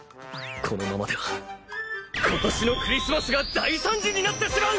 このままでは今年のクリスマスが大惨事になってしまう！